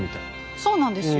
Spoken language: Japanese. そうなんですよ。